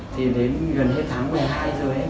thì đến gần như tháng một mươi hai rồi ấy